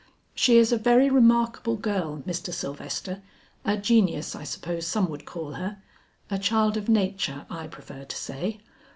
"She is a very remarkable girl, Mr. Sylvester, a genius I suppose some would call her, a child of nature I prefer to say.